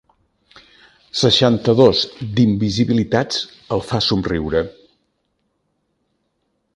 Seixanta-dos d'invisibilitats el fa somriure.